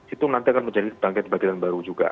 itu nanti akan menjadi tanggitan bagitan baru juga